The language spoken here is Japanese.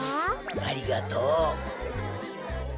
ありがとう。